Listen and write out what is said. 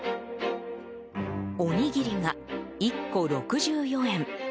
おにぎりが１個６４円